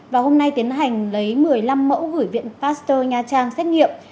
và hôm nay tiến hành lấy một mươi năm mẫu gửi viện pasteur nha trang xét nghiệm